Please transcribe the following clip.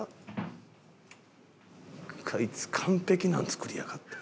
こいつ完璧なん作りやがった。